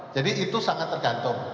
jadi itu sangat tergantung